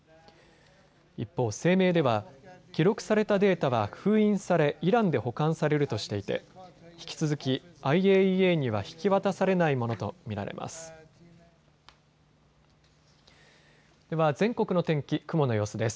一方、声明では記録されたデータは封印されイランで保管されるとしていて引き続きＩＡＥＡには引き渡されないものと見られます。